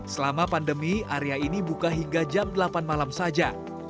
selama pandemi area ini buka hingga jam delapan malam saja